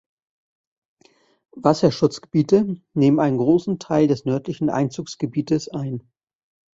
Wasserschutzgebiete nehmen einen großen Teil des nördlichen Einzugsgebietes ein.